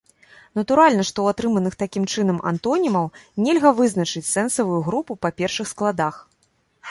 Натуральна, што ў атрыманых такім чынам антонімаў нельга вызначыць сэнсавую групу па першых складах.